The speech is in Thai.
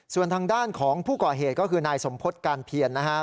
ส่วนทางด้านของผู้ก่อเหตุก็คือนายสมพฤษการเพียรนะครับ